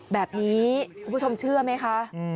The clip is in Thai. แบบนี้คุณผู้ชมเชื่อไหมคะ